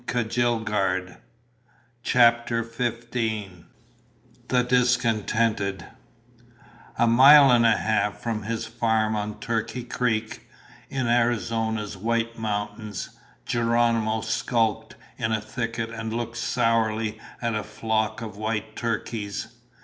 CHAPTER FIFTEEN The Discontented A mile and a half from his farm on Turkey Creek, in Arizona's White Mountains, Geronimo skulked in a thicket and looked sourly at a flock of wild turkeys.